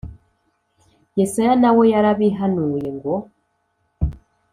yesaya na we yarabihanuye ngo